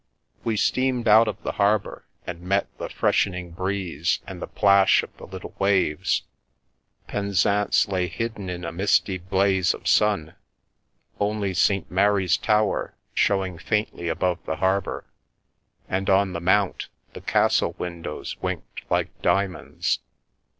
We steamed out of the harbour, and met the fresh ening breeze and the plash of the little waves ; Penzance lay hidden in a misty blaze of sun, only St. Mary's tower showing faintly above the harbour, and on the Mount the castle windows winked like diamonds.